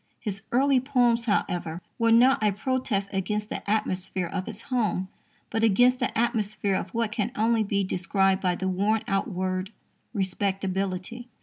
His early poems, however, were not a protest against the atmosphere of his home, but against the atmosphere of what can only be described by the worn out word "respectability."